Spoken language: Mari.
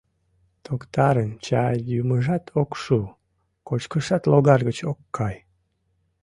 Токтарын чай йӱмыжат ок шу, кочкышат логар гыч ок кай.